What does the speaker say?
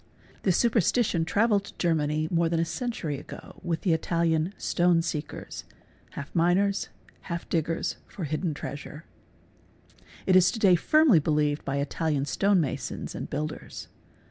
This super stition travelled to Germany more than a century ago with the Italian | "'stone seekers'' (half miners, half diggers for hidden treasure). It is ; to day firmly believed by Italian stone masons and builders.